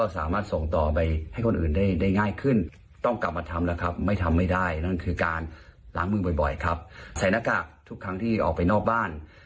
ใส่หน้ากากทุกครั้งที่ออกไปนอกบ้าน